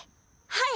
はい！